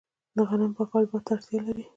د غنمو پاکول باد ته اړتیا لري.